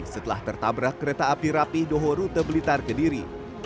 setelah tertabrak kereta api rapi dohoru terbelitar ke diri